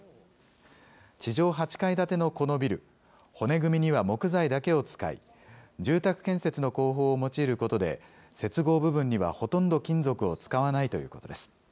地上８階建てのこのビル、骨組みには木材だけを使い、住宅建設の工法を用いることで、接合部分にはほとんど金属を使わないということです。